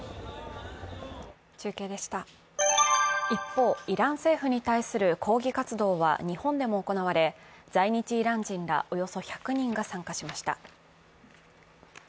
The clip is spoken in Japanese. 一方、イラン政府に対する抗議活動は日本でも行われ在日イラン人らおよそ１００人が参加しました。